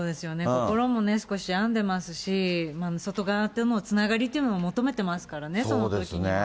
心もね、少し病んでますし、外側とのつながりっていうのを求めてますからね、そのときには。